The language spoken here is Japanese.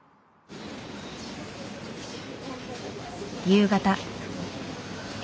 夕方。